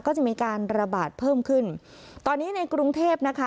ก็จะมีการระบาดเพิ่มขึ้นตอนนี้ในกรุงเทพนะคะ